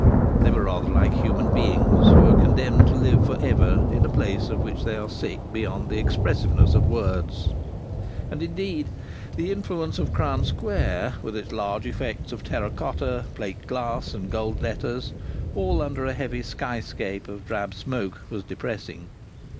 They were rather like human beings who are condemned to live for ever in a place of which they are sick beyond the expressiveness of words. And indeed the influence of Crown Square, with its large effects of terra cotta, plate glass, and gold letters, all under a heavy skyscape of drab smoke, was depressing.